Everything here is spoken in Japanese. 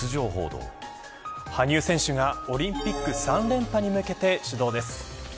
羽生選手がオリンピック３連覇に向けて始動です。